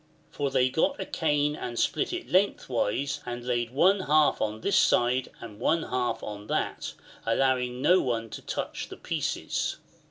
For they got a cane and split it lengthwise, and laid one half on this side and one half on that, allowing no one to touch the pieces.